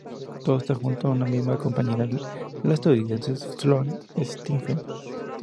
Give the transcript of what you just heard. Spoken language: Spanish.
Todos esto junto a una misma compañera, la estadounidense Sloane Stephens.